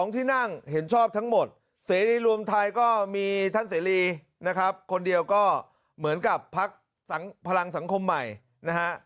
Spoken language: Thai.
ที่นั่งเห็นชอบทั้งหมดเสรีรวมไทยก็มีท่านเสรีนะครับคนเดียวก็เหมือนกับพักพลังสังคมใหม่นะฮะ